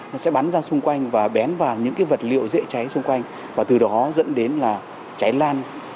nó sẽ bắn ra xung quanh và bén vào những cái vật liệu dễ cháy xung quanh và từ đó dẫn đến là cháy lan